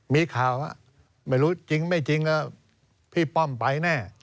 มีข่าวไม่รู้จริงไม่จริงพี่ป้อมไปแน่